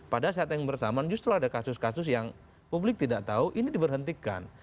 pada saat yang bersamaan justru ada kasus kasus yang publik tidak tahu ini diberhentikan